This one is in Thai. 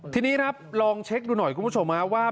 ทีนี้ครับลองเช็คดูหน่อยคุณผู้ชมว่า